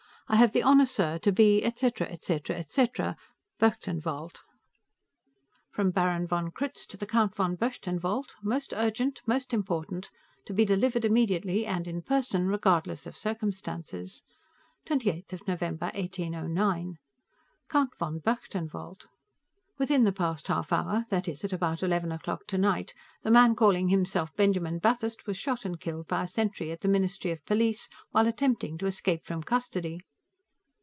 I have the honor, sir, to be, et cetera, et cetera, et cetera, Berchtenwald FROM BARON VON KRUTZ, TO THE COUNT VON BERCHTENWALD. MOST URGENT; MOST IMPORTANT. TO BE DELIVERED IMMEDIATELY AND IN PERSON REGARDLESS OF CIRCUMSTANCES. 28 November, 1809 Count von Berchtenwald: Within the past half hour, that is, at about eleven o'clock tonight, the man calling himself Benjamin Bathurst was shot and killed by a sentry at the Ministry of Police, while attempting to escape from custody.